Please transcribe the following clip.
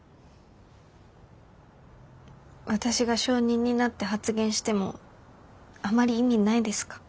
私が証人になって発言してもあまり意味ないですか？